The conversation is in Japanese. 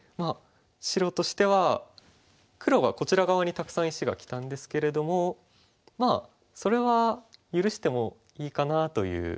白としては黒がこちら側にたくさん石がきたんですけれどもまあそれは許してもいいかなという。